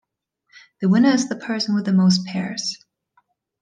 The winner is the person with the most pairs.